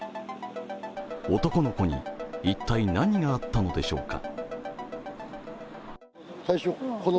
男の子に一体、何があったのでしょうか。